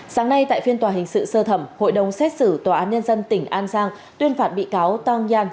sáng nay tại phiên tòa hình sự sơ thẩm hội đồng xét xử tòa án nhân dân tỉnh an giang tuyên phạt bị cáo tang yann